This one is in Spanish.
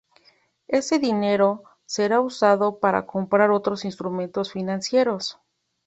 Ese dinero será usado para comprar otros instrumentos financieros.